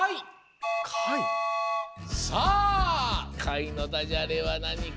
さあ「かい」のダジャレはなにか。